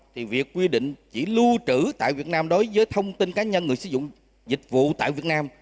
thì việc quy định chỉ lưu trữ tại việt nam đối với thông tin cá nhân người sử dụng dịch vụ tại việt nam